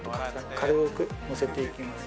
軽くのせていきます。